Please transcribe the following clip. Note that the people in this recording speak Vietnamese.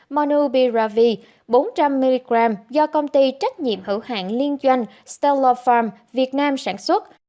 monubiravir bốn trăm linh mg do công ty trách nhiệm hữu hạn liên doanh stellar farm việt nam sản xuất